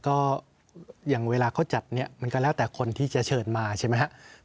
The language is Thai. ก็อย่างเวลาเขาจัดเนี่ยมันก็แล้วแต่คนที่จะเชิญมาใช่ไหมครับ